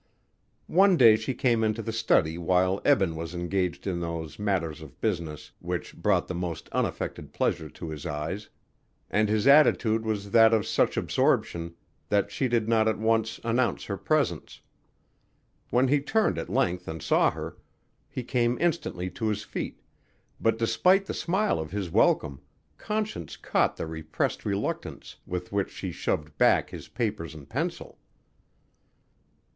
One day she came into the study while Eben was engaged in those matters of business which brought the most unaffected pleasure to his eyes and his attitude was that of such absorption that she did not at once announce her presence. When he turned at length and saw her, he came instantly to his feet, but despite the smile of his welcome, Conscience caught the repressed reluctance with which he shoved back his papers and pencil.